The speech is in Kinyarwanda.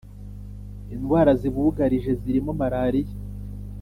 Indwara zibugarije zirimo maraliya